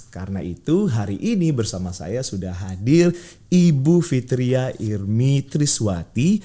karena itu hari ini bersama saya sudah hadir ibu fitria irmi triswati